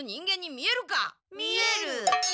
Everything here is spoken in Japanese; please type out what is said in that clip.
見える。